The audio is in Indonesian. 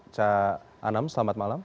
chah anam selamat malam